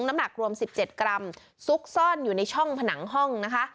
น้ำหนักรวม๑๗กรัมซุกซ่อนอยู่ในช่องผนังห้องนะคะ